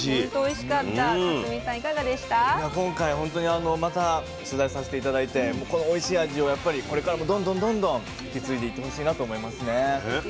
今回本当にまた取材させて頂いてこのおいしい味をこれからもどんどんどんどん引き継いでいってほしいなと思いますね。